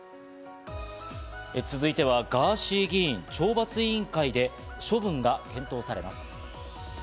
続いてはガーシー議員、懲罰委員会で処分が検討されます。